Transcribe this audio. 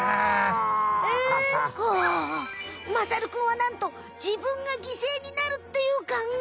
ああまさるくんはなんとじぶんがぎせいになるっていうかんがえ。